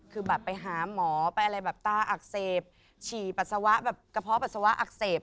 คือแบบไปหาหมอไปอะไรแบบตาอักเสบฉี่ปัสสาวะแบบกระเพาะปัสสาวะอักเสบ